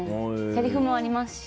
せりふもありますし。